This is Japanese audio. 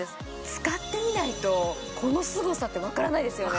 使ってみないとこのすごさってわからないですよね